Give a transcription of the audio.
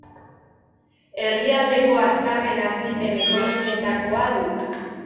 Herrialdeko azkarren hazi den ekonomietakoa du.